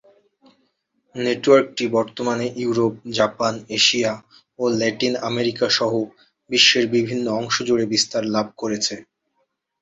নেটওয়ার্কটি বর্তমানে Europe, Japan, Asia ও ল্যাটিন আমেরিকা সহ বিশ্বের বিভিন্ন অংশ জুড়ে বিস্তার লাভ করেছে।